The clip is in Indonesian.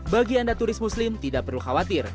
bagi anda turis muslim tidak perlu khawatir